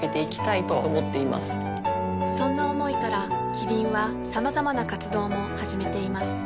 そんな思いからキリンはさまざまな活動も始めています